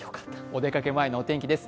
お出かけ前のお天気です。